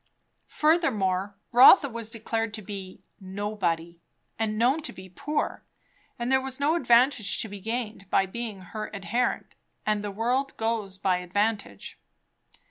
Furthermore, Rotha was declared to be "nobody," and known to be poor; there was no advantage to be gained by being her adherent; and the world goes by advantage.